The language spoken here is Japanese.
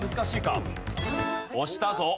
押したぞ！